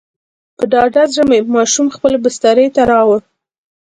په ډاډه زړه مې ماشوم خپلې بسترې ته راووړ.